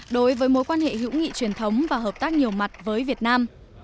đối với mối quan hệ hữu nghị truyền thống và hợp tác nhiều mặt với việt nam